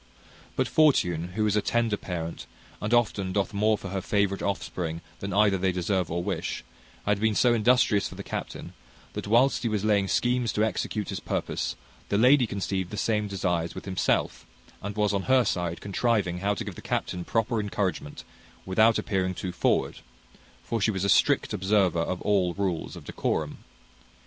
But fortune, who is a tender parent, and often doth more for her favourite offspring than either they deserve or wish, had been so industrious for the captain, that whilst he was laying schemes to execute his purpose, the lady conceived the same desires with himself, and was on her side contriving how to give the captain proper encouragement, without appearing too forward; for she was a strict observer of all rules of decorum.